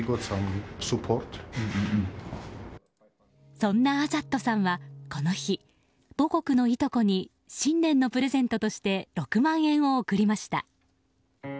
そんなアザットさんは、この日母国のいとこに新年のプレゼントとして６万円を送りました。